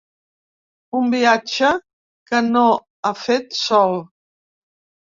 Un viatge que no ha fet sol.